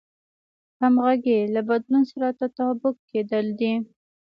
همغږي له بدلون سره تطابق کېدل دي.